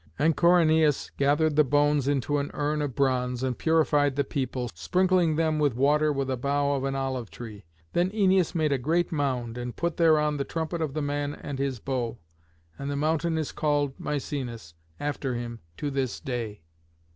And Corynæus gathered the bones into an urn of bronze, and purified the people, sprinkling them with water with a bough of an olive tree. Then Æneas made a great mound, and put thereon the trumpet of the man and his bow; and the mountain is called Misenus, after him, to this day.